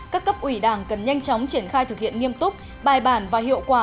các cấp ủy đảng cần nhanh chóng triển khai thực hiện nghiêm túc bài bản và hiệu quả